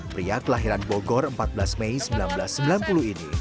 pria kelahiran bogor empat belas mei seribu sembilan ratus sembilan puluh ini